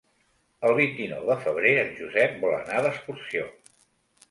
El vint-i-nou de febrer en Josep vol anar d'excursió.